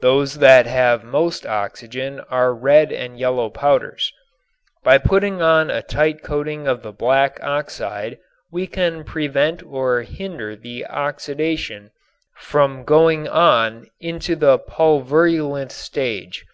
Those that have most oxygen are red and yellow powders. By putting on a tight coating of the black oxide we can prevent or hinder the oxidation from going on into the pulverulent stage.